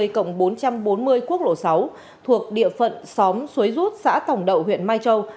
cộng bốn trăm bốn mươi quốc lộ sáu thuộc địa phận xóm xuối rút xã tổng đậu huyện mai châu